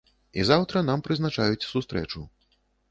І заўтра нам прызначаюць сустрэчу.